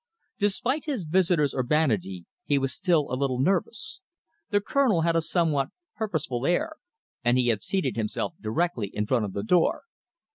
Despite his visitor's urbanity, he was still a little nervous. The Colonel had a somewhat purposeful air, and he had seated himself directly in front of the door.